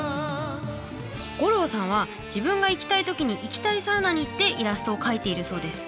ＧＯＲＯさんは自分が行きたい時に行きたいサウナに行ってイラストを描いているそうです。